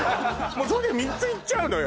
もうそれで３ついっちゃうのよ